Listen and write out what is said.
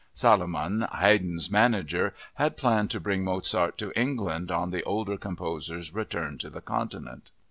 Salomon, Haydn's manager, had planned to bring Mozart to England on the older composer's return to the Continent.